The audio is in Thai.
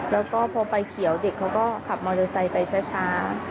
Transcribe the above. แล้วก็พอไฟเขียวเด็กเขาก็ขับมอเตอร์ไซค์ไปช้า